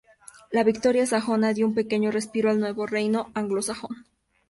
La victoria sajona dio un pequeño respiro al nuevo reino anglosajón.